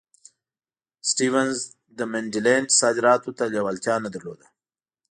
سټیونز د منډلینډ صادراتو ته لېوالتیا نه درلوده.